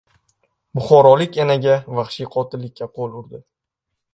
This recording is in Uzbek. Buxorolik enaga vahshiy qotillikka qo‘l urdi